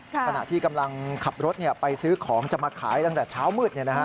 ขณะที่กำลังขับรถไปซื้อของจะมาขายตั้งแต่เช้ามืด